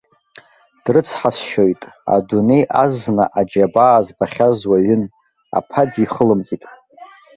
Дрыцҳасшьоит, адунеи азна аџьабаа збахьаз уаҩын, аԥа дихылымҵит.